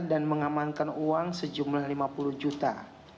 dan mengamankan uang sejumlah lima puluh juta